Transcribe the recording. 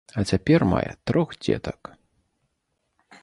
А цяпер мае трох дзетак.